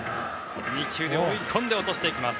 ２球目、追い込んで落としていきます。